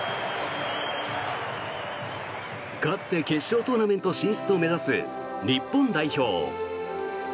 勝って決勝トーナメント進出を目指す日本代表。